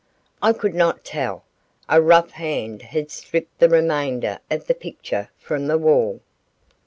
I could not tell; a rough hand had stripped the remainder of the picture from the wall.